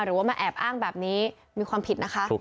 หรือว่ามาแอบอ้างแบบนี้มีความผิดนะคะ